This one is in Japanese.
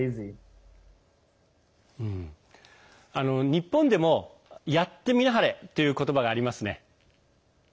日本でも「やってみなはれ」という言葉がありますね。